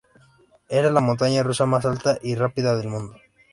Era la montaña rusa más alta y rápida del mundo.